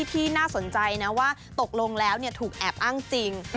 ที่น่าสนใจนะว่าตกลงแล้วถูกแอบอ้างจริง